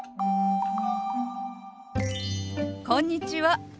こんにちは。